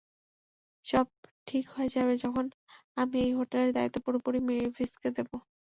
সব ঠিক হয়ে যাবে যখন আমি এই হোটেলের দায়িত্ব পুরোপুরি মেভিসকে দিবো।